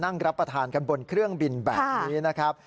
นั่งรับประทานกันบนเครื่องบินแบบนี้นะครับ